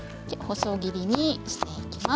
細切りにしていきます。